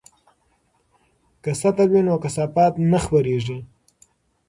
که سطل وي نو کثافات نه خپریږي.